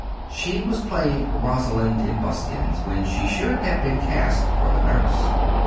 She was playing Rosalind in buskins when she should have been cast for the Nurse.